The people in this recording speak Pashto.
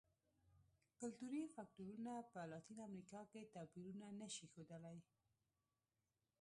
کلتوري فکټورونه په لاتینه امریکا کې توپیرونه نه شي ښودلی.